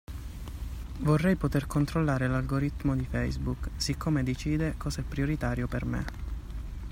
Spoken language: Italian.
Vorrei poter controllare l'algoritmo di facebook, siccome decide cosa è prioritario per me.